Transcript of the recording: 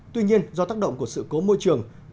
tuy nhiên do tác động của sự cố môi trường